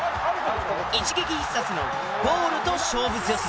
一撃必殺のゴールと勝負強さ。